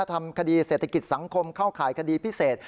ทำคดีเศรษฐกิจสังคมเข้าข่ายคดีพิเศษ